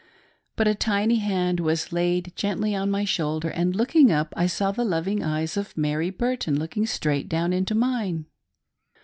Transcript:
But a tiny hand was laid gently on my shoulder, and looking up I saw the loving eyes of Mary Burton looking straight down into mine.